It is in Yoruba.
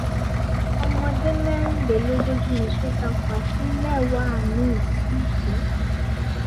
Ọmọdé mẹ́rìnlélógójì ni Sọ́jà pa tí mẹ́wàá míì sì kú.